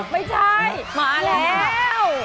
ไม่ใช่มาแล้ว